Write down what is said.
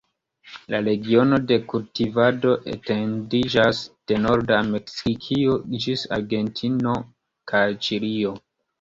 La regiono de kultivado etendiĝas de norda Meksikio ĝis Argentino kaj Ĉilio.